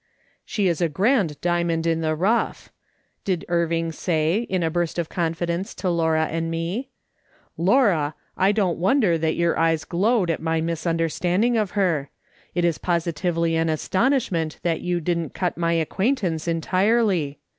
" She is a grand diamond in the rough !" did Irving say, in a burst of confidence, to Laura and me. " Laura, I don't wonder that your eyes glowed at my misunderstanding of her. It is positively an astonishment that you didn't cut my acquaintance entirely.